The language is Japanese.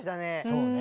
そうね。